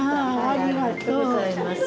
ありがとうございます。